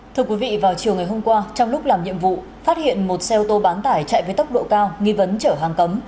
thưa quý vị vào chiều ngày hôm qua trong lúc làm nhiệm vụ phát hiện một xe ô tô bán tải chạy với tốc độ cao nghi vấn chở hàng cấm